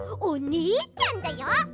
おねえちゃんだよ？